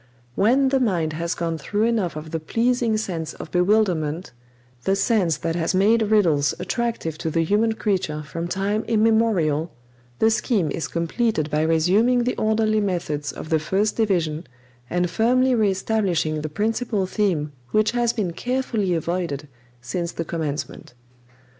When the mind has gone through enough of the pleasing sense of bewilderment the sense that has made riddles attractive to the human creature from time immemorial the scheme is completed by resuming the orderly methods of the first division and firmly re establishing the principal theme which has been carefully avoided since the commencement.